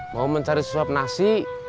mau mencari suap nasi